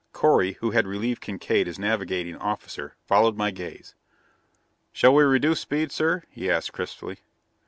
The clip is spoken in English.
Correy, who had relieved Kincaide as navigating officer, followed my gaze. "Shall we reduce speed, sir?" he asked crisply.